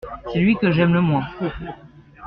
C’est lui que j’aime le moins.